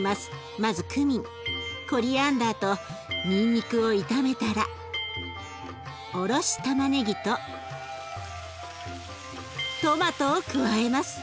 まずクミンコリアンダーとにんにくを炒めたらおろしたまねぎとトマトを加えます。